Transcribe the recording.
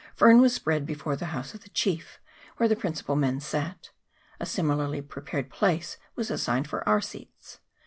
Fern was spread before the house of the chief, where the principal men sat. A similarly prepared place was assigned for our seats.